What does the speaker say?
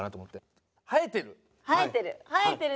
生えてる。